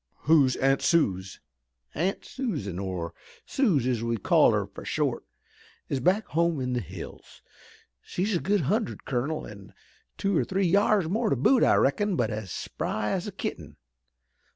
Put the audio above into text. "Who is Aunt Suse?" "Aunt Susan, or Suse as we call her fur short, is back at home in the hills. She's a good hundred, colonel, an' two or three yars more to boot, I reckon, but as spry as a kitten.